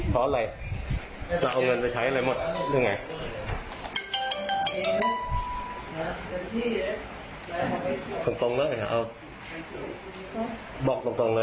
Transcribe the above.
เพราะอะไรจะเอาเงินไปใช้อะไรหมดหรือไง